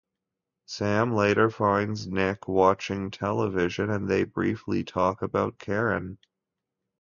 Sam later finds Nick watching television, and they briefly talk about Karen.